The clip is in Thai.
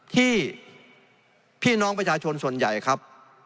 พี่น้องประชาชนส่วนใหญ่ครับ